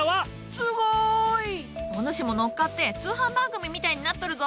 すごい！お主も乗っかって通販番組みたいになっとるぞ。